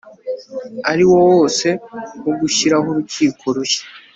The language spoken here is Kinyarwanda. ari wo wose wo gushyiraho urukiko rushya